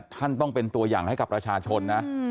ท่านต้องเป็นตัวอย่างให้กับประชาชนนะ